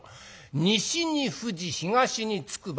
西に富士東に筑波。